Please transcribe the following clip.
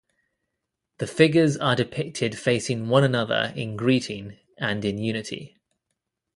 The figures are depicted facing one another in greeting and in unity.